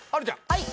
はい。